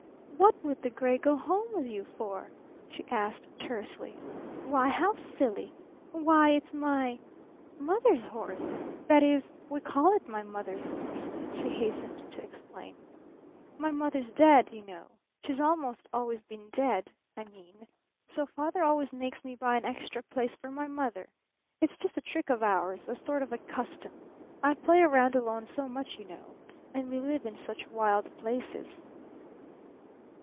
"What would the gray go home with you for?" she asked tersely. "Why, how silly! Why, it's my mother's horse! That is, we call it my mother's horse," she hastened to explain. "My mother's dead, you know. She's almost always been dead, I mean. So Father always makes me buy an extra place for my mother. It's just a trick of ours, a sort of a custom. I play around alone so much you know. And we live in such wild places!"